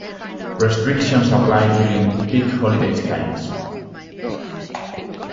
Restrictions apply during peak holiday times.